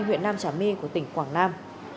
huyện nam trà my của tỉnh quảng nam